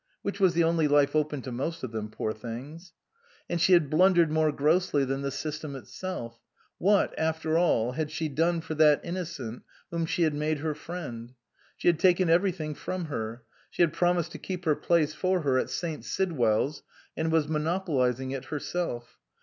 Which was the only life open to most of them, poor things. And she had blundered more grossly than the system itself. What, after all, had she done for that innocent whom she had made her friend ? She had taken everything from her. She had promised to keep her place for her at St. Sid well's and was monopolising it herself.